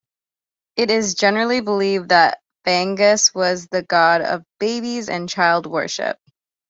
It is generally believed that Fagus was the god of babies and child worship.